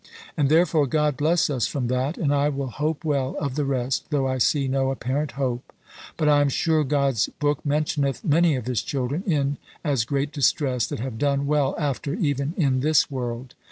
And therefore God bless us from that, and I will hope well of the rest, though I see no apparent hope. But I am sure God's book mentioneth many of his children in as great distress, that have done well after, even in this world!